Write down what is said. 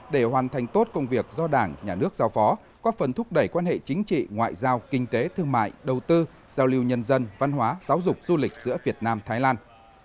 để hoàn thành tốt công việc do đảng nhà nước giao phó có phần thúc đẩy quan hệ chính trị ngoại giao kinh tế thương mại đầu tư giao lưu nhân dân văn hóa giáo dục du lịch giữa việt nam thái lan